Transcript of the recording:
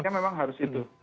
ini memang harus itu